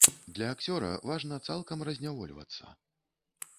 Для акцёра важна цалкам разнявольвацца.